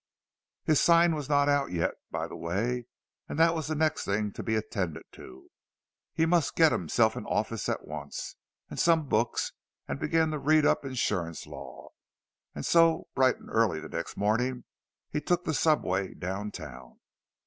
His sign was not out yet, by the way; that was the next thing to be attended to. He must get himself an office at once, and some books, and begin to read up insurance law; and so, bright and early the next morning, he took the subway down town.